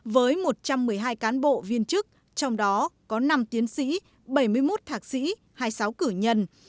với một trăm một mươi hai cán bộ viên chức trong đó có năm tiến sĩ bảy mươi một thạc sĩ hai mươi sáu cử nhân